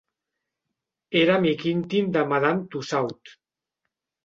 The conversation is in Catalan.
Era amic íntim de Madame Tussaud.